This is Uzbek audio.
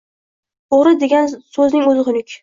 O‘g‘ri degan so‘zning o‘zi xunuk…